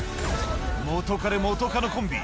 元カレ元カノコンビ